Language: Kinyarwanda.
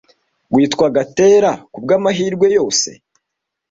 Witwa Gatera , kubwamahirwe yose?